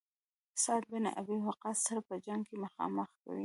سعد بن ابي وقاص سره په جنګ کې مخامخ کوي.